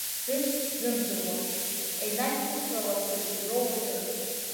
Зыхьӡ сзымдыруа, енагь хәыцрыла сзацәажәо ауаҩы!